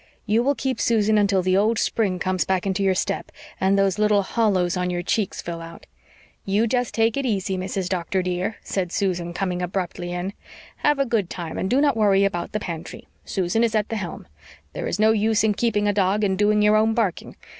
You will keep Susan until the old spring comes back into your step, and those little hollows on your cheeks fill out." "You just take it easy, Mrs. Doctor, dear," said Susan, coming abruptly in. "Have a good time and do not worry about the pantry. Susan is at the helm. There is no use in keeping a dog and doing your own barking.